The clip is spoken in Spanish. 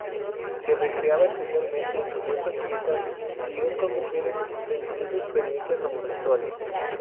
Se recreaba especialmente en supuestas fiestas, líos con mujeres e incluso experiencias homosexuales.